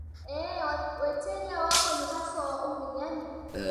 ee weteja wako ni haswa wa umri gani